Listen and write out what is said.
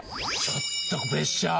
ちょっとプレッシャー。